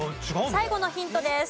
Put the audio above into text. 最後のヒントです。